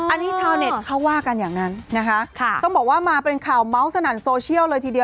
อันนี้ชาวเน็ตเขาว่ากันอย่างนั้นนะคะต้องบอกว่ามาเป็นข่าวเมาส์สนั่นโซเชียลเลยทีเดียว